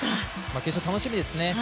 決勝楽しみですね。